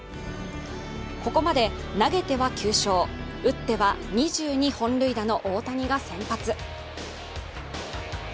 ここまで投げては９勝打っては２２本塁打の大谷が先発。